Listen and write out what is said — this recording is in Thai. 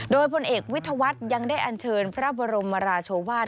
โดยพลเอกวิทยาวัฒน์ยังได้อันเชิญพระบรมราชวาส